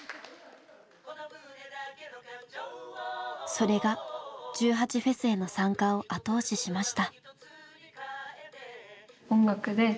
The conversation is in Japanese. それが１８祭への参加を後押ししました。